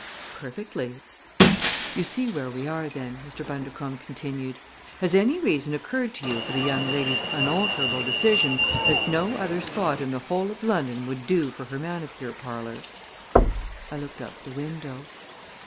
"Perfectly." "You see where we are then," Mr. Bundercombe continued. "Has any reason occurred to you for the young lady's unalterable decision that no other spot in the whole of London would do for her manicure parlor?" I looked out the window.